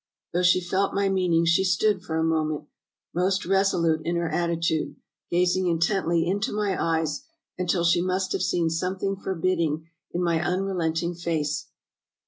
Though she felt my meaning she stood for a moment, most reso lute in her attitude, gazing intently into my eyes, until she must have seen something forbidding in my unre lenting face."